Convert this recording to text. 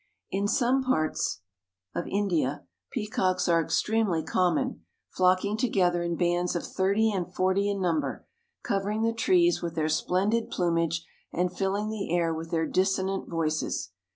In some parts of India peacocks are extremely common, flocking together in bands of thirty and forty in number, covering the trees with their splendid plumage and filling the air with their dissonant voices.